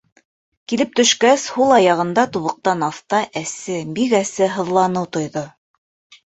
Килеп төшкәс, һул аяғында тубыҡтан аҫта әсе, бик әсе һыҙланыу тойҙо.